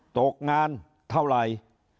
ตกงานเท่าไหร่